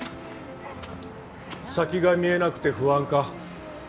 先が見えなくて不安か？